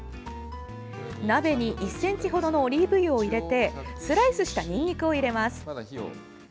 鍋に１ｃｍほどのオリーブ油を入れてスライスにしたにんにくを入れます。